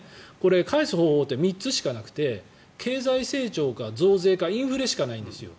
返す方法って３つしかなくて経済成長か増税かインフレしかないんですよ。